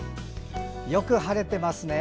よく晴れてますね。